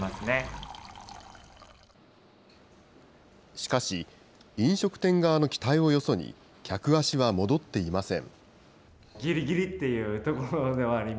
しかし、飲食店側の期待をよそに、客足は戻っていません。